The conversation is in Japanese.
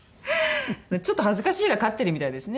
ちょっと恥ずかしいが勝ってるみたいですね